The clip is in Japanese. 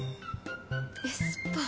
エスパー？